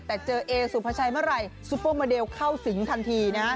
แต่เจอเอสุภาชัยเมื่อไหร่ซุปเปอร์โมเดลเข้าสิงทันทีนะฮะ